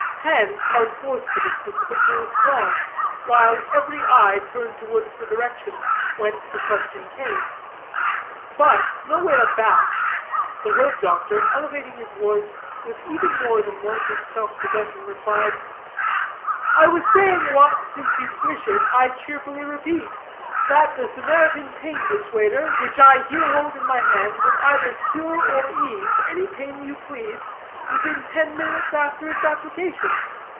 Hands held forth for the specific were withdrawn, while every eye turned towards the direction whence the question came. But, no way abashed, the herb doctor, elevating his voice with even more than wonted self possession, replied "I was saying what, since you wish it, I cheerfully repeat, that the Samaritan Pain Dissuader, which I here hold in my hand, will either cure or ease any pain you please, within ten minutes after its application."